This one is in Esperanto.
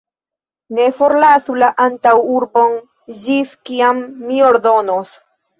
Ne forlasu la antaŭurbon, ĝis kiam mi ordonos!